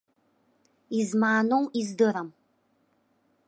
Измааноу издырам.